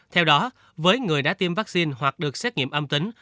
theo đó với người đã tiêm vaccine hoặc được xét nghiệm âm tính